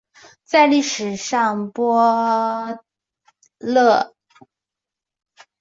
在历史上波普勒曾是米德塞克斯的一部分。